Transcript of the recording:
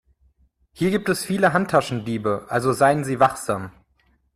Hier gibt es viele Handtaschendiebe, also seien Sie wachsam.